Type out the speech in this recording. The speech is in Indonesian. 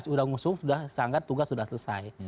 sudah ngusung sudah sanggat tugas sudah selesai